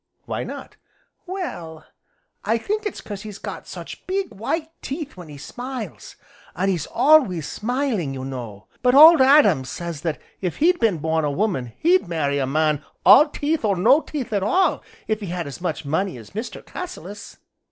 "Why not?" "Well, I think it's 'cause he's got such big, white teeth when he smiles, an' he's always smiling, you know; but Old Adam says that if he'd been born a woman he'd marry a man all teeth, or no teeth at all, if he had as much money as Mr. Cassilis."